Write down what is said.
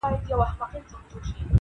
دغه کار ته فکر وړی دی حیران دی,